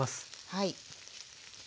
はい。